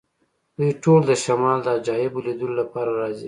دوی ټول د شمال د عجایبو لیدلو لپاره راځي